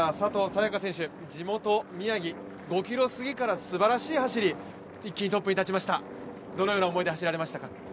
也伽選手、地元・宮城、５ｋｍすぎからすばらしい走り、一気にトップに立ちました、どのような思いで走られましたか？